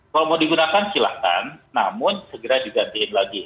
kalau mau digunakan silahkan namun segera digantiin lagi